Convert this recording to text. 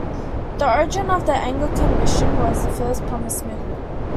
The origin of the Anglican Mission was the First Promise Movement.